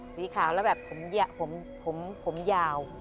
สีขาวแล้วแบบผมยาว